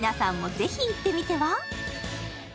皆さんもぜひ行ってみては？